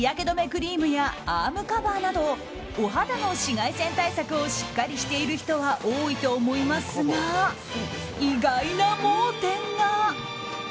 クリームやアームカバーなどお肌の紫外線対策をしっかりしている人は多いと思いますが、意外な盲点が。